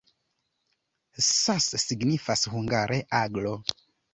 Sas signifas hungare: aglo.